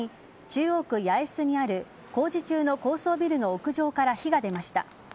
中央区八重洲にある工事中の高層ビルの屋上から火が出ました。